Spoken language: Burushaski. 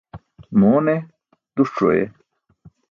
Moon e?, duṣc̣o ayeh.